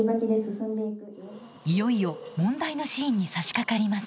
いよいよ問題のシーンにさしかかります。